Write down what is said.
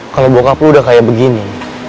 kalau bokap lu udah kayak begini